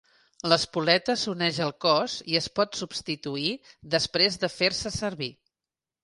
L'espoleta s'uneix al cos i es pot substituir després de fer-se servir.